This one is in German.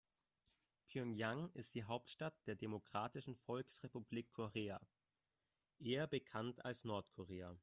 Pjöngjang ist die Hauptstadt der Demokratischen Volksrepublik Korea, eher bekannt als Nordkorea.